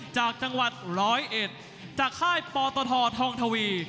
จากจังหวัดร้อยเอ็ดจากค่ายปตททองทวี